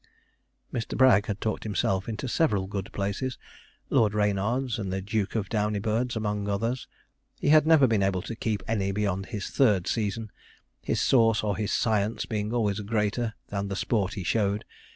Mr. Bragg had talked himself into several good places. Lord Reynard's and the Duke of Downeybird's among others. He had never been able to keep any beyond his third season, his sauce or his science being always greater than the sport he showed.